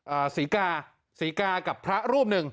ศรีกาศรีกากับพระรูปหนึ่ง